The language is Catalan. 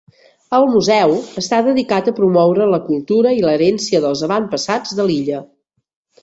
El museu està dedicat a promoure la cultura i l'herència dels avantpassats de l'illa.